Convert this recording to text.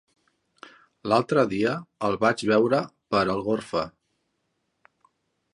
L'altre dia el vaig veure per Algorfa.